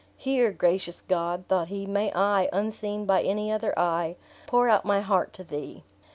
Here, gracious God," thought he, "may I, unseen by any other eye, pour out my heart to thee.